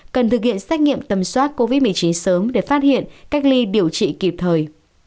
cần thực hiện xét nghiệm tầm soát covid một mươi chín sớm để phát hiện cách ly điều trị kịp thời